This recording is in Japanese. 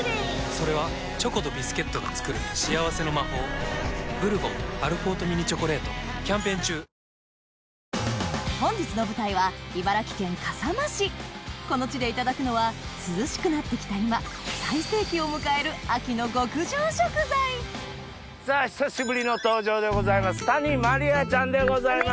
それはチョコとビスケットが作る幸せの魔法キャンペーン中本日の舞台はこの地でいただくのは涼しくなってきた今最盛期を迎えるさぁ久しぶりの登場でございます谷まりあちゃんでございます。